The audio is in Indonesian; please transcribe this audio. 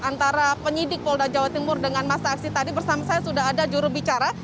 antara penyidik polda jawa timur dengan masa aksi tadi bersama saya sudah ada jurubicara